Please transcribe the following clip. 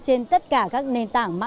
trên tất cả các nền tảng mạng xã hội